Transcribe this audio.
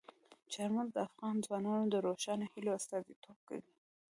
چار مغز د افغان ځوانانو د روښانه هیلو استازیتوب کوي.